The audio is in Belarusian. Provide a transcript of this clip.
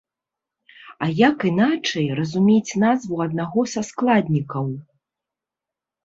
А як іначай разумець назву аднаго са складнікаў?